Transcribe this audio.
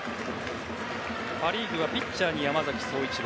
パ・リーグはピッチャーに山崎颯一郎。